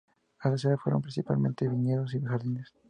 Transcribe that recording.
Las áreas fueron principalmente viñedos y jardines.